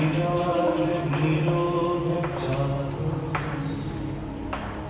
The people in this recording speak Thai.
สวัสดีครับสวัสดีครับ